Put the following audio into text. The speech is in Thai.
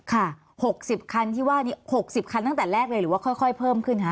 ๖๐คันที่ว่านี้๖๐คันตั้งแต่แรกเลยหรือว่าค่อยเพิ่มขึ้นคะ